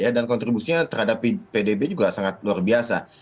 dan kontribusinya terhadap pdb juga sangat luar biasa